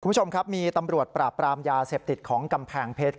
คุณผู้ชมครับมีตำรวจปราบปรามยาเสพติดของกำแพงเพชร